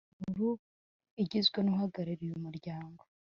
Inama Nkuru igizwe n Uhagarariye umuryango